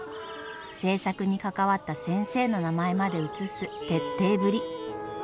制作に関わった先生の名前まで写す徹底ぶり。